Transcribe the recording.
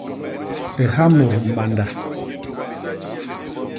Liha mut mbanda.